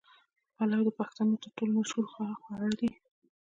پلو د پښتنو تر ټولو مشهور خواړه دي.